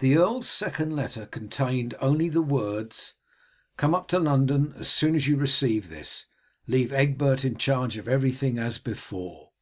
The earl's second letter contained only the words: "Come up to London as soon as you receive this. Leave Egbert in charge of everything as before."